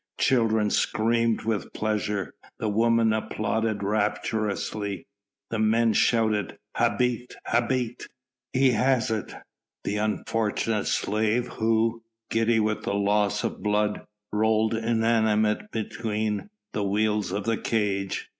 Children screamed with pleasure, the women applauded rapturously, the men shouted "Habet! habet!" He has it! The unfortunate slave, who, giddy with the loss of blood, rolled inanimate beneath the wheels of the cage.